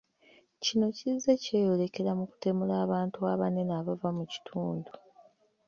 kino kizze kyeyolekera mu kutemula abantu abanene abava mu kitundu.